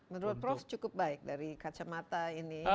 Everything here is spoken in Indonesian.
menurut prof cukup baik dari kacamata ini